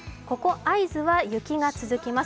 ここ、会津は雪が続きます。